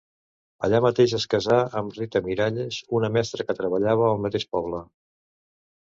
Allà mateix es casà amb Rita Miralles, una mestra que treballava al mateix poble.